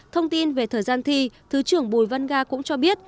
thông tin về thời gian thi thứ trưởng bùi văn ga cũng cho biết